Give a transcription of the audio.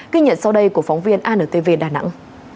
ghi nhận sau đây của phóng viên antv đà nẵng